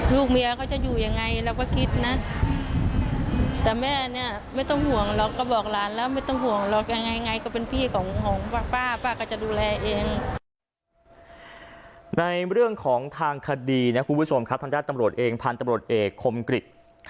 ลูกเมียเขาจะอยู่ยังไงแล้วก็คิดน่ะแต่แม่เนี้ย